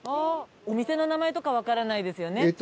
お店の名前とかわからないですよね？